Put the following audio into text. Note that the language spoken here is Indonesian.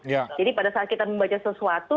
jadi pada saat kita membaca sesuatu